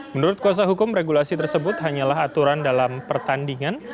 menurut kuasa hukum regulasi tersebut hanyalah aturan dalam pertandingan